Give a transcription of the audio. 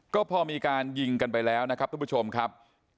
ก็พอมีการยิงกันไปแล้วนะครับทุกผู้ชมครับ